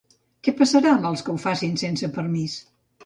Què passarà amb els que ho facin sense permís?